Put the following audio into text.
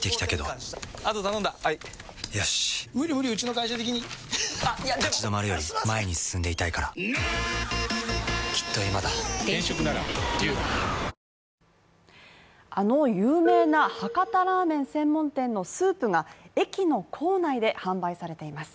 互いに負けられない一戦あの有名な博多ラーメン専門店のスープが駅の構内で販売されています。